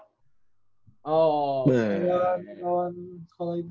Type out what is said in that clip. iya tahun sekolah itu